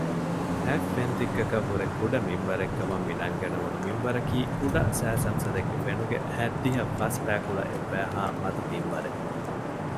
ހަތް ފެންތިއްކަކަށްވުރެ ކުޑަ މިންވަރެއްކަމަށް މިނަންގަނެވުނު މިންވަރަކީ ކުޑަ ސައިސަމްސަލެއްގެ ފެނުގެ ހަތްދިހަ ފަސްބައިކުޅަ އެއްބައިހާ މަދު މިންވަރެއް